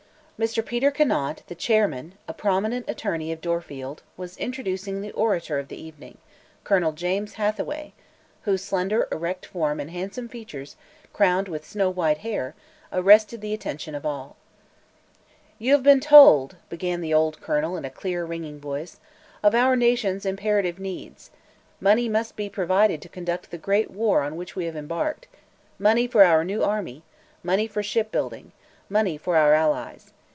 Mr. Peter Conant, the Chairman, a prominent attorney of Dorfield, was introducing the orator of the evening, Colonel James Hathaway, whose slender, erect form and handsome features crowned with snow white hair, arrested the attention of all. "You have been told," began the old colonel in a clear, ringing voice, "of our Nation's imperative needs. Money must be provided to conduct the great war on which we have embarked money for our new army, money for ship building, money for our allies.